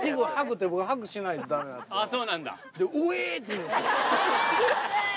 あっそうなんだ。